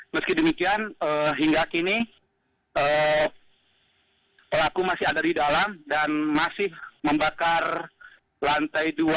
meski demikian hingga kini pelaku masih ada di dalam dan masih membakar lantai dua